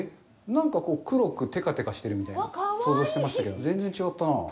なんか黒くてかてかしてるみたいなの想像してましたけど、全然違ったなぁ。